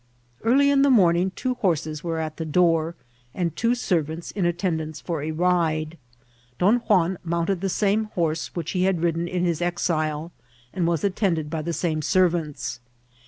Early in the morning two horses were at the door, and two servants in attendance for a ride. Don Juan mounted the same horse which he had ridden in his exile, and was attended by the same servants.